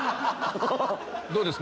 どうですか？